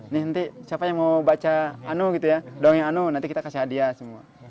nih nanti siapa yang mau baca anu gitu ya doang yang anu nanti kita kasih hadiah semua